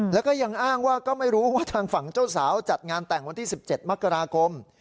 แล้วก็ยังอ้างว่าก็ไม่รู้ว่าทางฝั่งเจ้าสาวจัดงานแต่งวันที่๑๗มกราคม